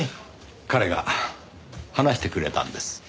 彼が話してくれたんです。